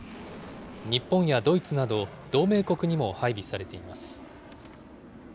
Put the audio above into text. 日本やドイツなど、同盟国にも配備されています。